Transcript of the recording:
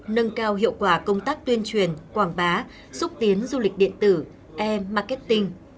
nâng cao hiệu quả công tác tuyên truyền quảng bá xúc tiến du lịch điện tử e marketing